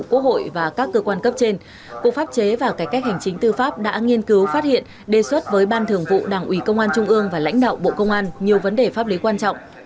quốc hội và các cơ quan cấp trên cục pháp chế và cải cách hành chính tư pháp đã nghiên cứu phát hiện đề xuất với ban thường vụ đảng ủy công an trung ương và lãnh đạo bộ công an nhiều vấn đề pháp lý quan trọng